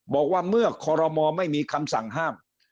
บอกว่าเมื่อคอรมอลไม่มีคำสั่งห้าม